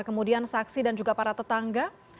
kemudian saksi dan juga para tetangga